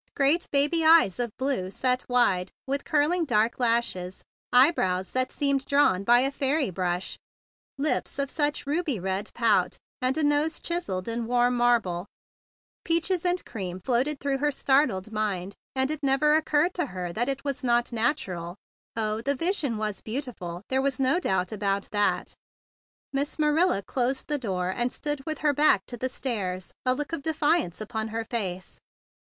Great baby eyes of blue, set wide, with curling dark lashes, eyebrows that seemed drawn by a fairy brush, lips of such ruby red pout, and nose chisel¬ led in warm marble. Peaches and cream floated through her startled mind, and THE BIG BLUE SOLDIER 161 it never occurred to her it was not natural. Oh, the vision was beautiful; there was no doubt about that. Miss Marilla closed the door, and stood with her back to the stairs and a look of defence upon her face.